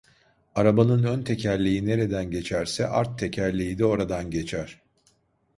Arabanın ön tekerleği nereden geçerse art tekerleği de oradan geçer.